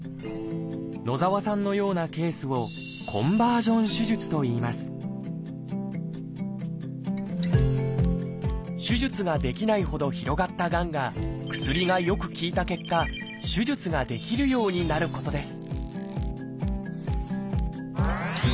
野澤さんのようなケースを手術ができないほど広がったがんが薬がよく効いた結果手術ができるようになることです